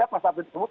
ya pasal itu disebut